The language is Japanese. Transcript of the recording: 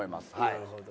なるほど。